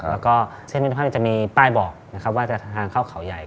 แล้วก็เส้นมิตรภาพจะมีป้ายบอกนะครับว่าจะทางเข้าเขาใหญ่